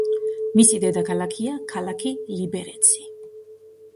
მისი დედაქალაქია ქალაქი ლიბერეცი.